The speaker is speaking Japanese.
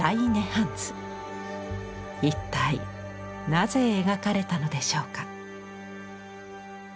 一体なぜ描かれたのでしょうか？